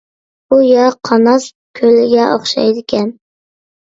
بۇ يەر قاناس كۆلىگە ئوخشايدىكەن.